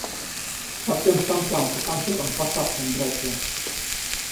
Все по станкам, по конторам, по шахтам братья.